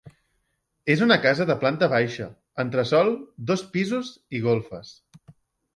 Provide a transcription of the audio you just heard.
És una casa de planta baixa, entresòl, dos pisos i golfes.